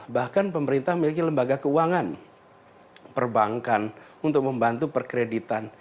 bahkan pemerintah memiliki lembaga keuangan perbankan untuk membantu perkreditan